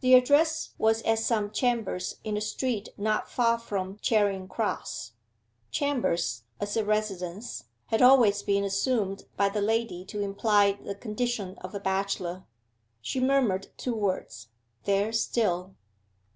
The address was at some chambers in a street not far from Charing Cross. 'Chambers,' as a residence, had always been assumed by the lady to imply the condition of a bachelor. She murmured two words, 'There still.